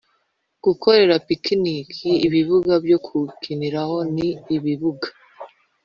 gukorera pikiniki picnic ibibuga byo gukiniraho n ibibuga